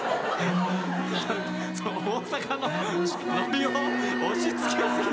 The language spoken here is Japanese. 大阪のノリを押し付け過ぎですよ。